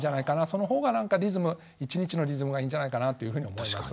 その方がリズム１日のリズムがいいんじゃないかなというふうに思います。